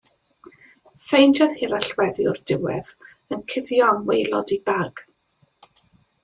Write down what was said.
Ffeindiodd hi'r allweddi o'r diwedd yn cuddio yng ngwaelod ei bag.